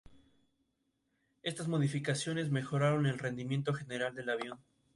La Academia propuso el proyecto a la Diputación de Barcelona, que lo rechazó.